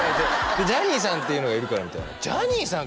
ジャニーさんっていうのがいるからみたいなジャニーさん？